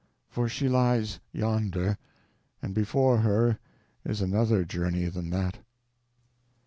For she lies yonder, and before her is another journey than that.